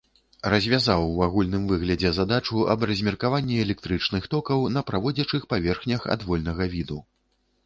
Развязаў у агульным выглядзе задачу аб размеркаванні электрычных токаў на праводзячых паверхнях адвольнага віду.